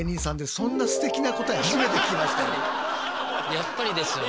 やっぱりですよね。